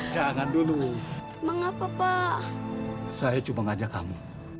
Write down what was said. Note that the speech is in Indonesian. jangan dulu mengapa pak saya cuma ngajak kamu